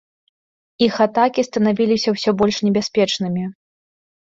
Іх атакі станавіліся ўсё больш небяспечнымі.